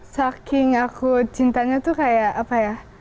saking aku cintanya tuh kayak apa ya